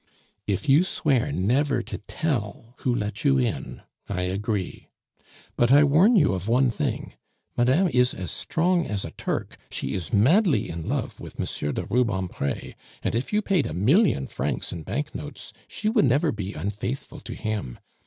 "If you swear never to tell who let you in, I agree. But I warn you of one thing. Madame is as strong as a Turk, she is madly in love with Monsieur de Rubempre, and if you paid a million francs in banknotes she would never be unfaithful to him.